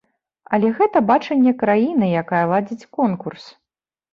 Але гэта бачанне краіны, якая ладзіць конкурс.